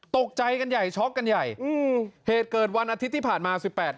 ตกใจกันใหญ่ช็อกกันใหญ่อืมเหตุเกิดวันอาทิตย์ที่ผ่านมาสิบแปด